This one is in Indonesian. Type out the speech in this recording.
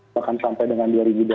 bahkan sampai dengan dua ribu dua puluh